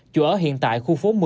chủ ở hiện tại khu phố một mươi